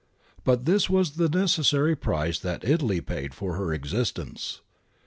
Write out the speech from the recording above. ^ But this was the necessary price that Italy paid for her existence.